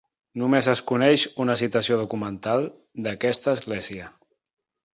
Només es coneix una citació documental, d'aquesta església.